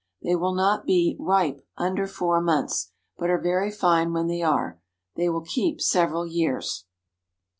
They will not be "ripe" under four months, but are very fine when they are. They will keep several years.